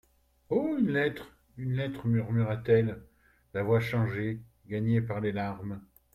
Oh ! une lettre, une lettre, murmura-t-elle, la voix changée, gagnée par les larmes.